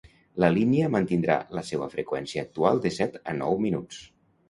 La línia mantindrà la seua freqüència actual de set a nou minuts.